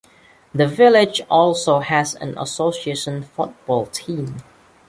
The village also has an association football team.